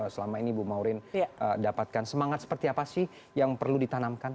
selama ini ibu maureen dapatkan semangat seperti apa sih yang perlu ditanamkan